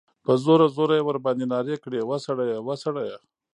په زوره، زوره ئی ورباندي نارې کړې ، وسړیه! وسړیه!